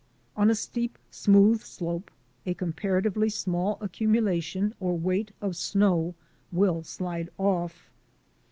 On a steep, smooth slope a comparatively small ac cumulation or weight of snow will slide off.